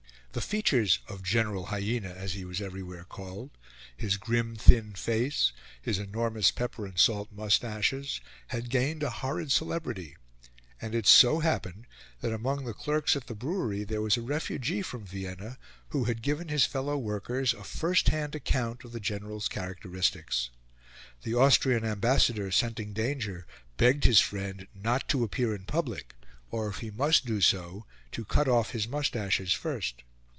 The features of "General Hyena," as he was everywhere called his grim thin face, his enormous pepper and salt moustaches had gained a horrid celebrity; and it so happened that among the clerks at the brewery there was a refugee from Vienna, who had given his fellow workers a first hand account of the General's characteristics. The Austrian Ambassador, scenting danger, begged his friend not to appear in public, or, if he must do so, to cut off his moustaches first.